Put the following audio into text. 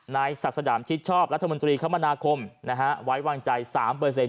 นายสักษะดามชิทชอบรัฐมนตรีคมณาคมไว้วางใจ๓เปอร์เซ็นต์